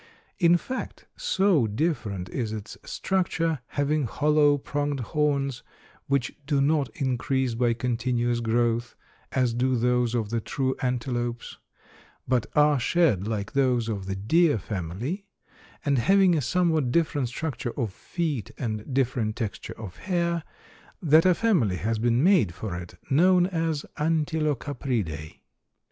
In fact, so different is its structure, having hollow, pronged horns which do not increase by continuous growth, as do those of the true antelopes, but are shed like those of the deer family, and having a somewhat different structure of feet and different texture of hair, that a family has been made for it known as Antilocapridae.